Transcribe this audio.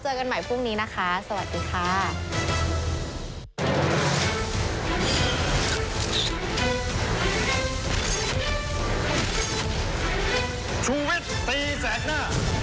กันใหม่พรุ่งนี้นะคะสวัสดีค่ะ